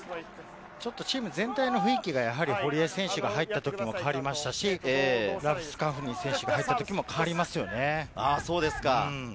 チーム全体の雰囲気が堀江選手が入ったことによって変わりましたし、ラブスカフニ選手が入ったときも変わりますよね。